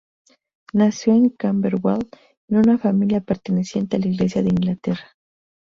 Nació en Camberwell en una familia perteneciente a la Iglesia de Inglaterra.